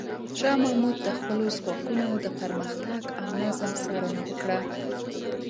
شاه محمود د خپلو ځواکونو د پرمختګ او نظم څارنه وکړه.